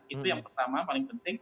itu yang pertama paling penting